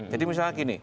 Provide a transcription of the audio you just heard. jadi misalnya gini